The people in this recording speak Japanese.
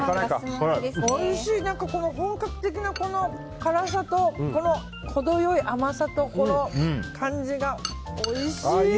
おいしい、本格的な辛さとこの程良い甘さと、この感じがおいしい！